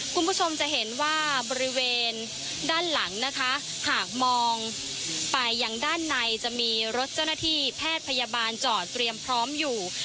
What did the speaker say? คุณผู้ชมจะเห็นว่าบริเวณด้านหลังนะคะหากมองไปยังด้านในจะมีรถเจ้าหน้าที่แพทย์พยาบาลจอดเตรียมพร้อมอยู่